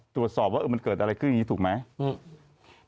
ตรวจสอบว่ามันเกิดอะไรขึ้นอย่างนี้ถูกไหม